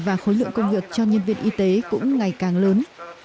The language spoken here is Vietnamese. và khối lượng công việc cho nhân viên y tế cũng ngày càng lớn